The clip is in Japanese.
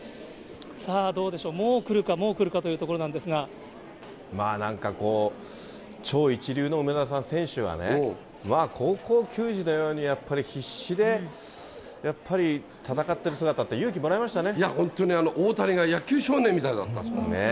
さあどうでしょう、もう来るか、もう来るかというところなんですなんかこう、超一流の梅沢さん、選手がね、まあ、高校球児のようにやっぱり必死で、やっぱり戦ってる姿って、勇気もらいましたね。